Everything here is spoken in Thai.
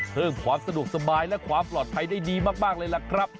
เพิ่มความสะดวกสบายและความปลอดภัยได้ดีมากเลยล่ะครับ